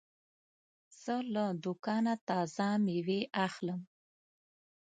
زه له دوکانه تازه مېوې اخلم.